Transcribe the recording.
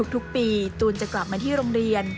ทุกปีตูนจะกลับมาที่โรงเรียน